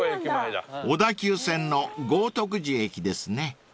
［小田急線の豪徳寺駅ですね］